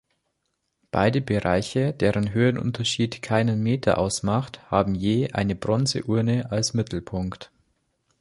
Beide Bereiche, deren Höhenunterschied keinen Meter ausmacht, haben je eine Bronze-Urne als Mittelpunkt.